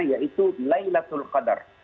yaitu laylatul qadar